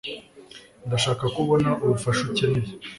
Ndashaka ko ubona ubufasha ukeneye